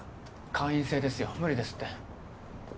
会員制ですよ無理ですって。